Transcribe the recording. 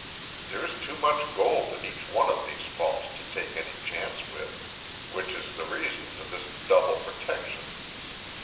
There's too much gold in each one of these vaults to take any chance with, which is the reason for this double protection.